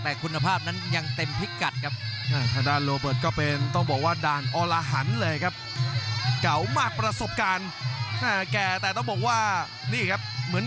แต่คุณภาพนั้นยังเต็มพิกัดครับ